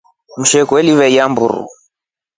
Msheku aliveelya mburu.